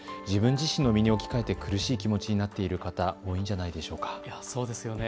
自分自身の身に置きかえて苦しい気持ちになっている方、多いんじゃないでしょうか。